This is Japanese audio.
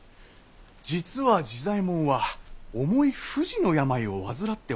実は治左衛門は重い不治の病を患っておったのです。